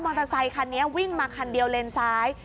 อเตอร์ไซคันนี้วิ่งมาคันเดียวเลนซ้าย